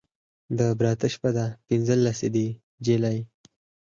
د براته شپه ده پنځلسی دی نجلۍ